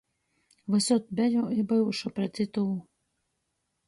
Vysod beju i byušu pret itū.